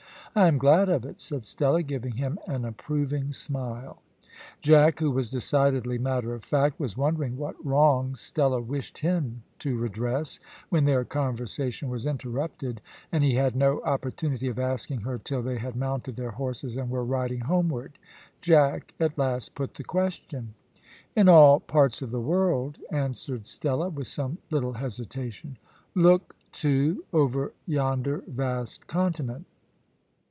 "I am glad of it," said Stella, giving him an approving smile. Jack, who was decidedly matter of fact, was wondering what wrongs Stella wished him to redress, when their conversation was interrupted, and he had no opportunity of asking her till they had mounted their horses and were riding homeward. Jack at last put the question. "In all parts of the world," answered Stella, with some little hesitation. "Look, too, over yonder vast continent."